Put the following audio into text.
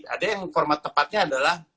ada yang format tepatnya adalah